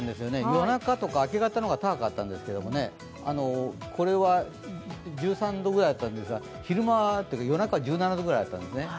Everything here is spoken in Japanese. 夜中とか明け方の方が高かったんですけどね、これは１３度ぐらいだったんですが夜中もっと低かったんですね